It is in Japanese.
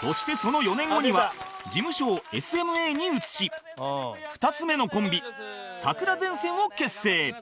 そしてその４年後には事務所を ＳＭＡ に移し２つ目のコンビ桜前線を結成